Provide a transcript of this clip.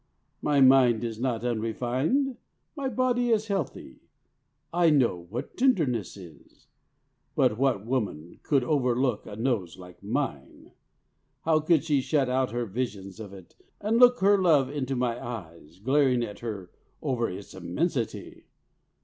My mind is not unrefined, my body is healthy. I know what tenderness is. But what woman could overlook a nose like mine? How could she shut out her visions of it, and look her love into my eyes, glaring at her over its immensity?